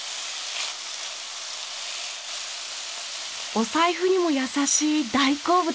お財布にも優しい大好物。